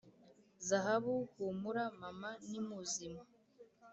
zahabu humura mama nimuzima: